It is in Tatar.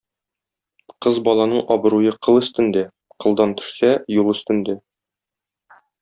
Кыз баланың абруе кыл өстендә, кылдан төшсә - юл өстендә.